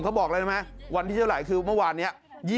เขาบอกเลยนะไหมวันที่เจ้าหน้าไหลคือเมื่อวานนี้